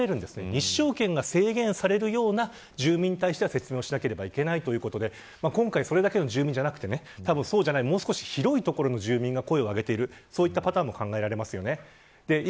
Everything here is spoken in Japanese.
日照権が制限されるような住民に対しては説明しなければいけないということで今回、それだけの住民じゃなくてそうじゃないもう少し広い所の住民が声を上げていることも考えられます。